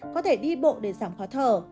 có thể đi bộ để giảm khóa thở